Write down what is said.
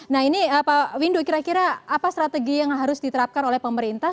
nah ini pak windu kira kira apa strategi yang harus diterapkan oleh pemerintah